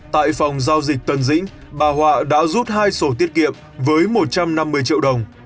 tại phòng giao dịch tân dĩnh bà họa đã rút hai sổ tiết kiệm với một trăm năm mươi triệu đồng